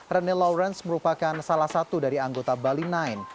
rene lawrence merupakan salah satu dari anggota bali sembilan